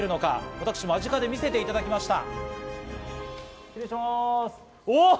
私、間近で見せていただきました。